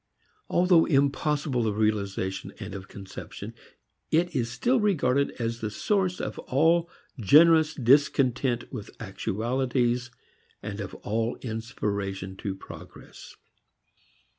Although impossible of realization and of conception, it is still regarded as the source of all generous discontent with actualities and of all inspiration to progress.